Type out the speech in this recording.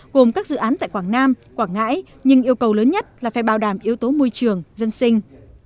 gồm các dự án tại quảng nam quảng ngãi nhưng yêu cầu lớn nhất là phải bảo đảm yếu tố môi trường dân sinh